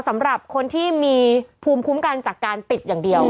สำหรับคนที่มีภูมิคุ้มกันจากการติดอย่างเดียว